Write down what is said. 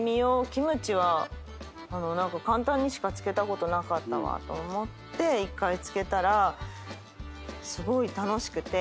キムチは簡単にしか漬けたことなかったわと思って１回漬けたらすごい楽しくて。